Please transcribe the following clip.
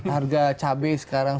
harga cabai sekarang